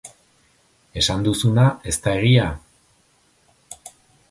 Esan duzuna ez da egia?